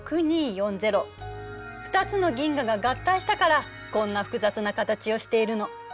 ２つの銀河が合体したからこんな複雑な形をしているの。